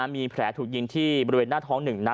มีแผลถูกยิงที่บริเวณหน้าท้อง๑นัด